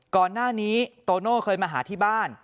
ก่อนหน้านี้โตโน่เคยมาหาที่บ้าน